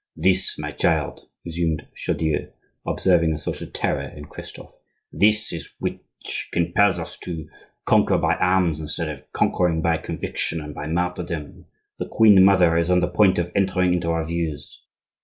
"This, my child," resumed Chaudieu, observing a sort of terror in Christophe, "this it is which compels us to conquer by arms instead of conquering by conviction and by martyrdom. The queen mother is on the point of entering into our views.